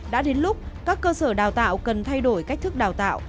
đã đến lúc các cơ sở đào tạo cần thay đổi cách thức đào tạo